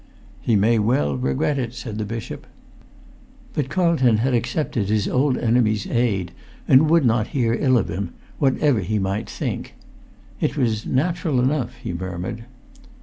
"He may well regret it," said the bishop. But Carlton had accepted his old enemy's aid, and would not hear ill of him, whatever he might think. "It was natural enough," he murmured.